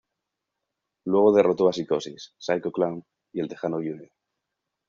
Luego derrotó a Psicosis, Psycho Clown, y El Texano Jr.